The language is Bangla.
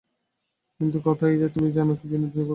কিন্তু কথা এই, তুমি জান কি না, বিনোদিনী কোথায়।